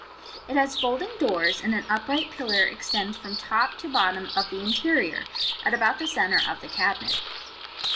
It has folding doors, and an upright pillar extends from top to bottom of the interior, at about the centre of the cabinet.